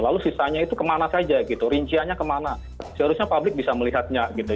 lalu sisanya itu kemana saja gitu rinciannya kemana seharusnya publik bisa melihatnya gitu